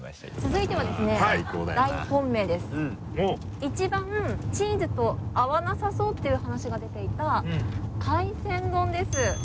続いてはですね大本命です一番チーズと合わなさそうという話が出ていた海鮮丼です。